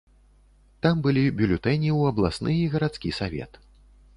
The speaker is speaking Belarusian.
Там былі бюлетэні ў абласны і гарадскі савет.